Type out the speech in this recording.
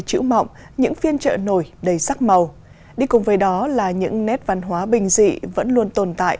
chữ mọng những phiên trợ nổi đầy sắc màu đi cùng với đó là những nét văn hóa bình dị vẫn luôn tồn tại